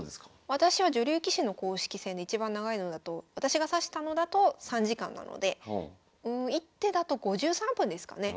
私は女流棋士の公式戦でいちばん長いのだと私が指したのだと３時間なので１手だと５３分ですかね。